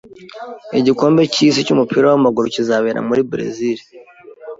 Igikombe cyisi cyumupira wamaguru kizabera muri Berezile